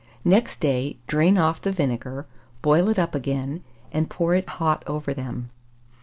Next day drain off the vinegar, boil it up again, and pour it hot over them.